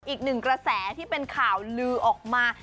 อีกหนึ่งกระแสที่เป็นข่าวลือออกมา